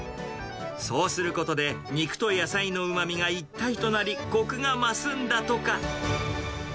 そうすることで、肉と野菜のうまみが一体となり、こくが増すんだとか。